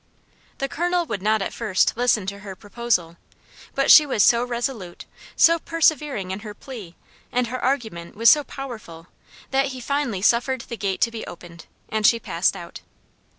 The Colonel would not at first listen to her proposal, but she was so resolute, so persevering in her plea, and her argument was so powerful, that he finally suffered the gate to be opened, and she passed out.